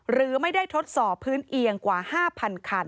หรือไม่ได้ทดสอบพื้นเอียงกว่า๕๐๐คัน